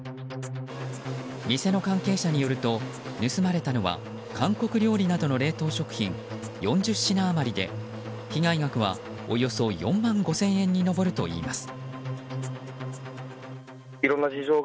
店の関係者によると盗まれたのは韓国料理などの冷凍食品４０品余りで被害額はおよそ４万５０００円に上るといいます。